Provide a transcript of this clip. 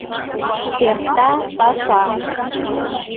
Эрта паша.